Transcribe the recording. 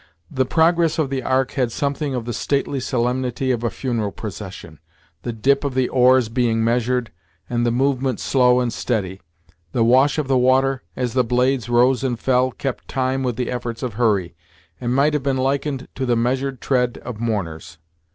The progress of the Ark had something of the stately solemnity of a funeral procession, the dip of the oars being measured, and the movement slow and steady. The wash of the water, as the blades rose and fell, kept time with the efforts of Hurry, and might have been likened to the measured tread of mourners.